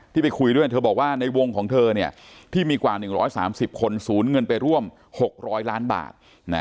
ไปคุยด้วยเธอบอกว่าในวงของเธอที่มีกว่า๑๓๐คนสูญเงินไปร่วม๖๐๐ล้านบาท